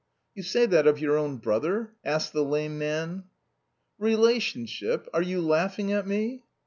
"You say that of your own brother?" asked the lame man. "Relationship? Are you laughing at me?"